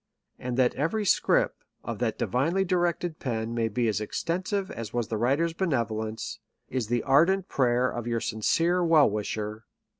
xVnd that every scrip of that divinely directed pen may be as ex tensive as was the writer's benevolence, is the ardent prayer of your sincere well wisher.